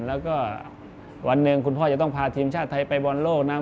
แล้วก็วันหนึ่งคุณพ่อจะต้องพาทีมชาติไทยไปบอลโลกนะ